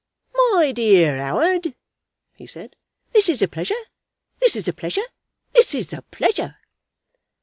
"My dear Mr. 'Oward," he said, "this is a pleasure. This is a pleasure. This is a pleasure."